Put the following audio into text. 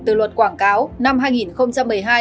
từ luật quảng cáo năm hai nghìn một mươi hai